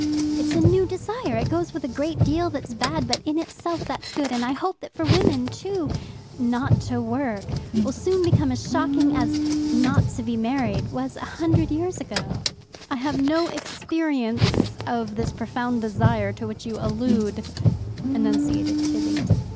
It's a new desire. It goes with a great deal that's bad, but in itself it's good, and I hope that for women, too, 'not to work' will soon become as shocking as 'not to be married' was a hundred years ago." "I have no experience of this profound desire to which you allude," enunciated Tibby.